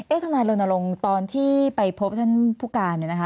เอ๊ะทนาโลนาลงตอนที่ไปพบท่านผู้การเนี่ยนะคะ